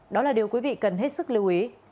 đó là điều quý vị cần hết sức lưu ý